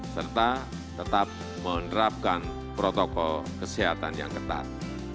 serta tetap menerapkan protokol kesehatan yang ketat